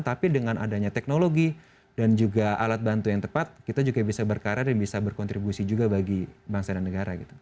tapi dengan adanya teknologi dan juga alat bantu yang tepat kita juga bisa berkarya dan bisa berkontribusi juga bagi bangsa dan negara gitu